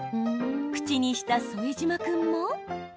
口にした副島君も。